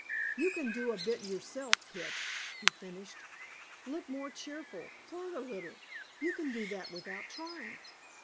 "You can do a bit yourself, Kit," he finished. "Look more cheerful, flirt a little. You can do that without trying.